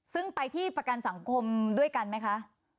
ซึ่งไปที่ประกันสังคมด้วยกันไหมคะ